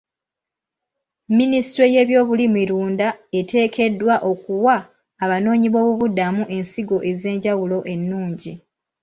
Minisitule y'ebyobulimirunda eteekeddwa okuwa abanoonyi b'obubuddamu ensigo ez'enjawulo ennungi.